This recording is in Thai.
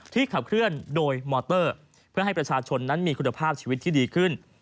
ขับเคลื่อนโดยมอเตอร์เพื่อให้ประชาชนนั้นมีคุณภาพชีวิตที่ดีขึ้น